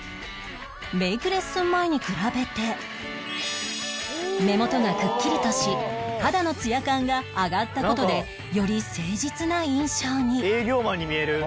メイクレッスン前に比べて目元がくっきりとし肌のツヤ感が上がった事でより誠実な印象に